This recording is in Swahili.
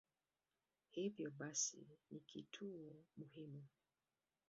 Hivyo basi ni kituo muhimu.